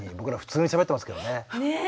僕ら普通にしゃべってますけどね。